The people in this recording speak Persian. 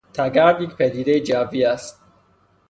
تگرگ یک پدیدهی جوی است.